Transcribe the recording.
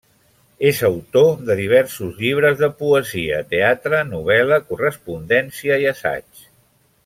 És autor de diversos llibres de poesia, teatre, novel·la, correspondència i assaig.